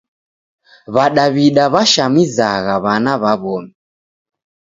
W'adaw'ida w'ashamizagha w'ana w'a w'omi.